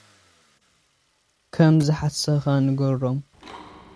ከም ዝሓሰኻ ንገሮም።